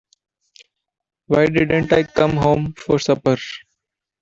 Why didn't I come home for supper?